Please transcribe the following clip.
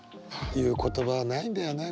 言う言葉ないんだよね。